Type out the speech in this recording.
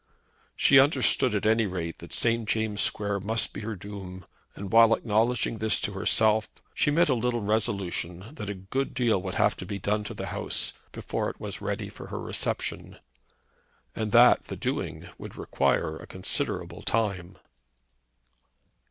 She understood, at any rate, that St. James' Square must be her doom; but while acknowledging this to herself, she made a little resolution that a good deal would have to be done to the house before it was ready for her reception, and that the doing would require a considerable time.